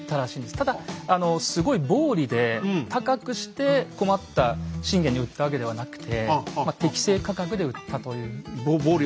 ただすごい暴利で高くして困った信玄に売ったわけではなくて適正価格で売ったというふうに。